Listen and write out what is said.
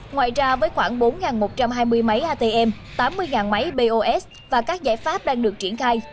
ngoài ra với khoảng bốn một trăm hai mươi máy atm tám mươi máy pos và các giải pháp đang được triển khai